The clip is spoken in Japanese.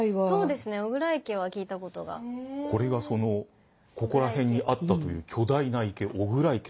これがそのここら辺にあったという巨大な池巨椋池。